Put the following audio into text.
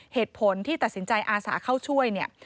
เหตุผลที่ตัดสินใจอาสาเข้าช่วยเนี่ย